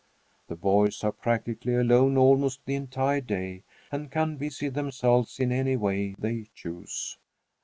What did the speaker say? The boys are practically alone almost the entire day and can busy themselves in any way they choose.